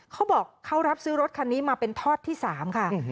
เขาบอกเขารับซื้อรถคันนี้มาเป็นทอดที่๓ค่ะ